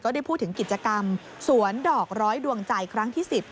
ได้พูดถึงกิจกรรมสวนดอกร้อยดวงใจครั้งที่๑๐